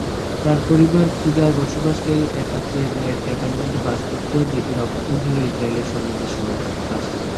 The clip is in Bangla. তার পরিবার খুজায় বসবাসকারী এক আত্মীয়ের দেয়া একটি অ্যাপার্টমেন্টে বাস করতো, যেটির অবস্থান ছিল ইসরায়েলি সৈন্যদের সীমান্তের খুব কাছেই।